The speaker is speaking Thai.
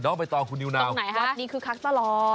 น้องไปตองคุณนิวนาวตรงไหนครับวัดนี้คึกคักตลอด